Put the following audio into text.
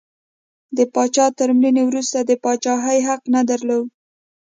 د پاچا تر مړینې وروسته د پاچاهۍ حق نه درلود.